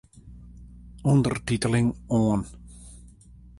Undertiteling oan.